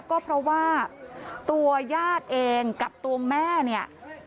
ก็เพราะว่าตัวญาติเองกับตัวแม่เนี่ย